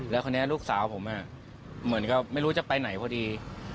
แล้วคราวนี้ลูกสาวผมเหมือนกับไม่รู้จะไปไหนพอดี